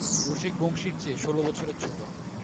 রসিক বংশীর চেয়ে ষোলো বছরের ছোটো।